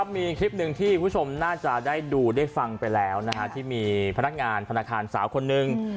มีคลิปหนึ่งที่คุณผู้ชมน่าจะได้ดูได้ฟังไปแล้วที่มีพนักงานธนาคารสาวคนนึง